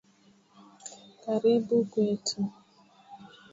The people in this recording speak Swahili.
Karibu Kwetu